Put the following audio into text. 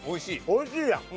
おいしいやん。